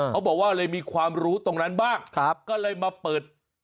เขาบอกว่าเลยมีความรู้ตรงนั้นบ้างก็เลยมาเปิด